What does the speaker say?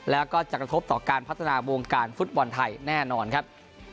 แล้วก็จะกระทบต่อการพัฒนาวงการฟุตบอลไทยแน่นอนครับ